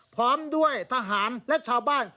พร้อมด้วยทหารและชาวบ้าน